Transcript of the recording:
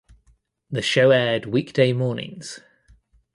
The show aired weekday mornings.